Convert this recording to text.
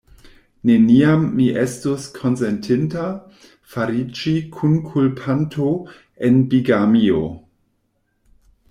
Neniam mi estus konsentinta fariĝi kunkulpanto en bigamio.